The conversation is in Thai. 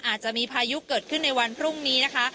อาจจะมีพายุเกิดขึ้นในวันพรุ่งนี้นะคะ